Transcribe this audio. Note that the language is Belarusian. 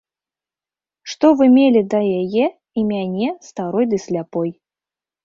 Што вы мелі да яе і мяне, старой ды сляпой?